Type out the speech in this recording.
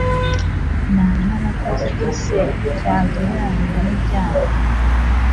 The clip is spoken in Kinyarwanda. naba narakoze iki se cyagereranywa n'ibyanyu